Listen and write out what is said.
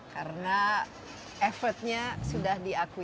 karena effortnya sudah diakui